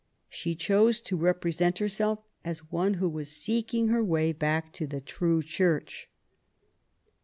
She chose to represent herself as one who was seeking her way back to the true Church.